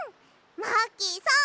マーキーさん